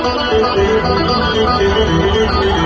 และเกิดอาวุธกับเข้าใจ